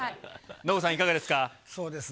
ノブさん、いかがですか。